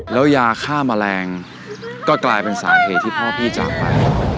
แล้วยาฆ่าแมลงก็กลายเป็นสาเหตุที่พ่อพี่จากไป